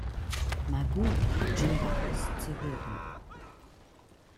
Magoo, Jim Backus, zu hören.